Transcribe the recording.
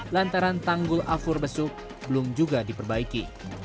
lantaran tanggul afur besuk belum juga diperbaiki